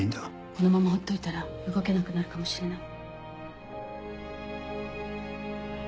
このままほっといたら動けなくなるかもしれない。